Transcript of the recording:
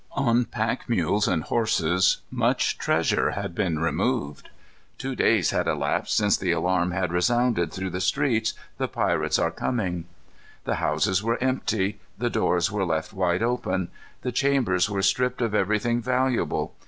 On pack mules and horses much treasure had been removed. Two days had elapsed since the alarm had resounded through the streets, "The pirates are coming." The houses were empty. The doors were left wide open. The chambers were stripped of everything valuable.